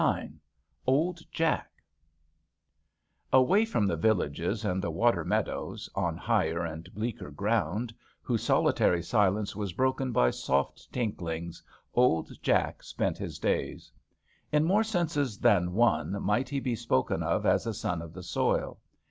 37 V IX OLD JACK Away from the villages and the water meadows, on higher and bleaker ground, whose solitary silence is broken by soft tinklings, old Jack spent his days. In more senses than one might he be spoken of as a son of the soil.